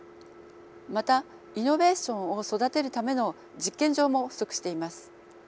またイノベーションを育てるための実験場も不足しています。